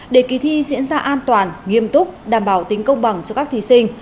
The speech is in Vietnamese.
để kỳ thi diễn ra an toàn nghiêm túc đảm bảo tính công bằng cho các thí sinh